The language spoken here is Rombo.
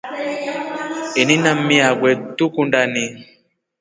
Ini na mii akwe tukundani.